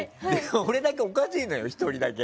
俺だけおかしいのよ、１人だけ。